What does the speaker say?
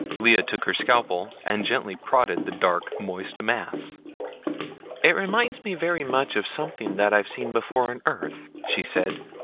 Lea took her scalpel and gently prodded the dark moist mass. "It reminds me very much of something that I've seen before on Earth," she said.